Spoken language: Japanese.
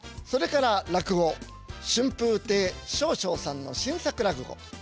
それから落語春風亭昇々さんの新作落語。